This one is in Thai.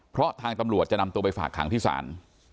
เพราะทางตำรวจจะนำตัวไปฝากขังที่ศาล